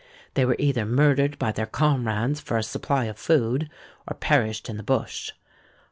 They were either murdered by their comrades for a supply of food, or perished in the bush.